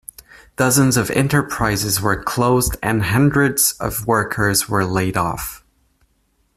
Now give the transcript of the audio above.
Dozens of enterprises were closed and hundreds of workers were laid off.